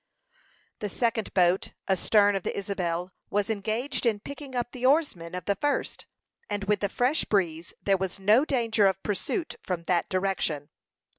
The second boat, astern of the Isabel, was engaged in picking up the oarsmen of the first, and with the fresh breeze there was no danger of pursuit from that direction.